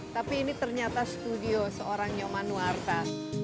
tapi ini ternyata studio seorang nyoman nuwarta